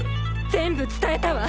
全部伝えたわ。